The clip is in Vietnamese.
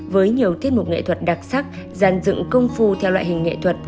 với nhiều tiết mục nghệ thuật đặc sắc dàn dựng công phu theo loại hình nghệ thuật